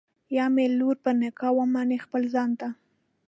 یا مي لور په نکاح ومنه خپل ځان ته